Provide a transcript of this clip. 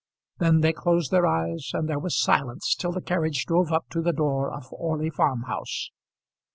Then they closed their eyes and there was silence till the carriage drove up to the door of Orley Farm House.